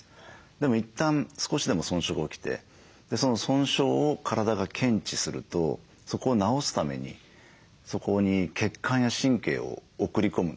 でも一旦少しでも損傷が起きてその損傷を体が検知するとそこを治すためにそこに血管や神経を送り込むんですね。